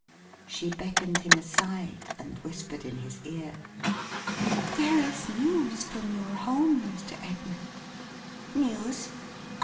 She beckoned him aside, and whispered in his ear. "There is news from your home, Mr. Edmund." " News